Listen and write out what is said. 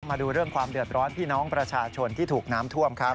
มาดูเรื่องความเดือดร้อนพี่น้องประชาชนที่ถูกน้ำท่วมครับ